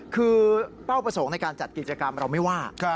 คือเป้าประสงค์ในการจัดกิจกรรมเราไม่ว่า